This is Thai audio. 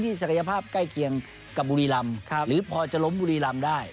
ศักยภาพใกล้เคียงกับบุรีรำหรือพอจะล้มบุรีรำได้